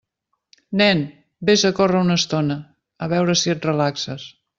Nen, vés a córrer una estona, a veure si et relaxes.